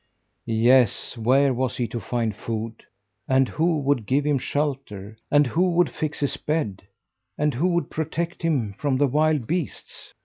Yes, where was he to find food, and who would give him shelter, and who would fix his bed, and who would protect him from the wild beasts?